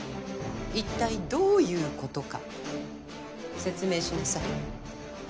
いったいどういうことか説明しなさい。